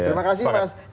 terima kasih mas